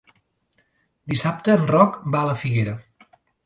Dissabte en Roc va a la Figuera.